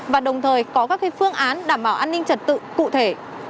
và đồng thời có các phương án đảm bảo an ninh trật tự cụ thể